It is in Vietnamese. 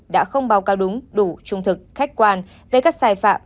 đã không báo cáo đúng đủ trung thực khách quan về các sai phạm